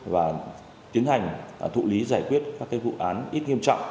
và tiến hành thụ lý giải quyết các vụ án ít nghiêm trọng